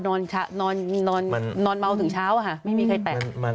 นอนเมาถึงเช้าค่ะ